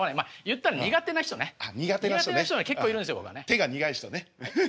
手が苦い人ね。